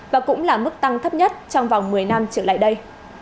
và cũng là mức tăng thấp nhất trong vòng một mươi năm trở lại đây